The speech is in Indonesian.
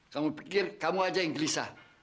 kamu pikir kamu aja yang gelisah